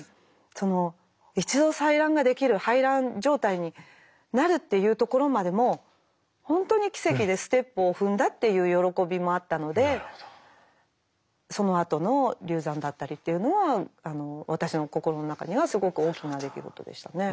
その一度採卵ができる排卵状態になるっていうところまでも本当に奇跡でステップを踏んだっていう喜びもあったのでそのあとの流産だったりっていうのは私の心の中にはすごく大きな出来事でしたね。